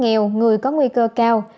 nhiều nước nước có nguy cơ cao